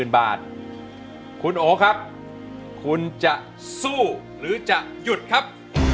คุณโอครับคุณจะสู้หรือจะหยุดครับ